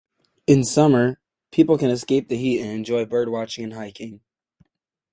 In summer, people can escape the heat and enjoy bird watching and hiking.